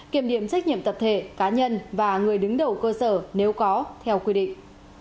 kiểm điểm trách nhiệm tập thể cá nhân và người đứng đầu cơ sở nếu có theo quy định